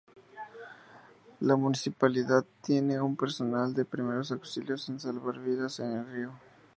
La Municipalidad tiene un personal de primeros auxilios en salvar vidas en el río.